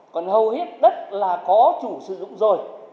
còn hầu hết đất là có chủ sử dụng rồi